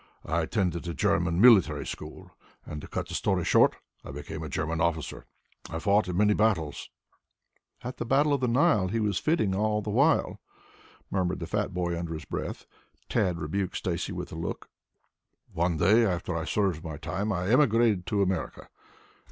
I attended a German military school and, to cut the story short, I became a German officer. I fought in many battles " "At the battle of the Nile he was fitting all the while," murmured the fat boy under his breath. Tad rebuked Stacy with a look. "One day, after I had served my time, I emigrated to America.